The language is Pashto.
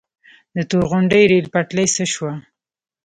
د تورغونډۍ ریل پټلۍ څه شوه؟